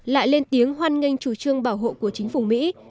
lại lên tiếng hoan nghênh chủ trương bảo hộ của chính phủ mỹ